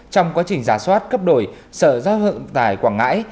trong quá trình giả soát cấp đổi sở giao thông tại quảng ngãi